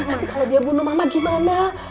nanti kalau dia bunuh mama gimana